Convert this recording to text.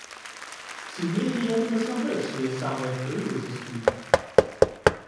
Ці мелі яны насамрэч тыя самыя крылы за спінай?